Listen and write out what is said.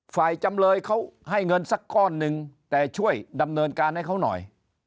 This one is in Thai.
จำเลยเขาให้เงินสักก้อนหนึ่งแต่ช่วยดำเนินการให้เขาหน่อย